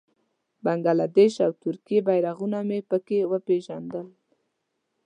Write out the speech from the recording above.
د بنګله دېش او ترکیې بېرغونه مې په کې وپېژندل.